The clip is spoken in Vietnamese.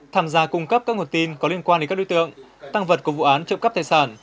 tham gia cung cấp các nguồn tin có liên quan đến các đối tượng tăng vật của vụ án trộm cắp tài sản